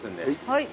はい。